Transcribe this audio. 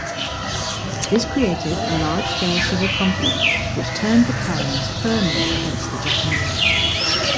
This created a large-scale civil conflict which turned the Karens firmly against the Japanese.